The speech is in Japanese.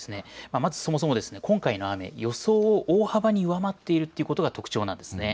まずそもそも今回の雨、予想を大幅に上回っているということが特徴なんです。